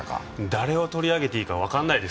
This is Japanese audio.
誰を取り上げていいか分かりません。